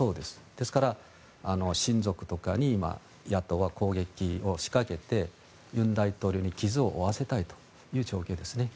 ですから、親族とかに今、野党は攻撃を仕掛けて尹大統領に傷を負わせたいという状況です。